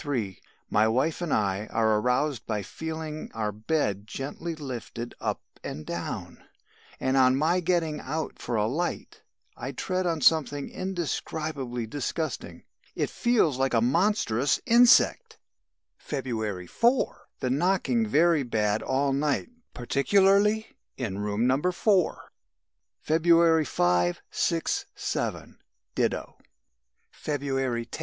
My wife and I are aroused by feeling our bed gently lifted up and down, and on my getting out for a light, I tread on something indescribably disgusting. It feels like a monstrous insect!! "February 4. The knocking very bad all night particularly in room No. 4. "February 5, 6, 7, ditto. "February 10.